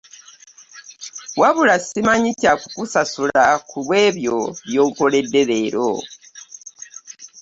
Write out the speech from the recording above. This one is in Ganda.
Wabula simanyi kya kukusasula ku lwe byo by'onkoledde leero.